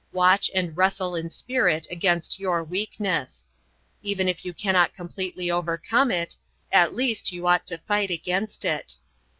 Watch and wrestle in spirit against your weakness. Even if you cannot completely overcome it, at least you ought to fight against it.